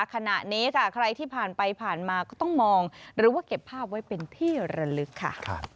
ขณะนี้ค่ะใครที่ผ่านไปผ่านมาก็ต้องมองหรือว่าเก็บภาพไว้เป็นที่ระลึกค่ะ